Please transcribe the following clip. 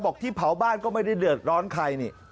ที่เผาบ้านก็ไม่ได้เดือดร้อนใครนี่